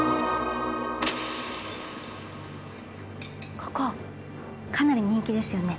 ここかなり人気ですよね？